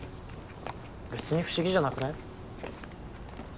別に不思議じゃなくない？